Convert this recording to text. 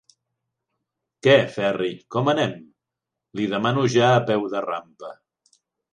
Què, Ferri, com anem? –li demano ja a peu de rampa.